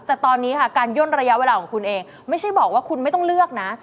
แต่ตอนนี้ค่ะการย่นระยะเวลาของคุณเองไม่ใช่บอกว่าคุณไม่ต้องเลือกนะ